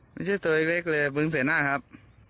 ไม่ใช่ตัวเล็กเลยมึงใส่หน้าครับ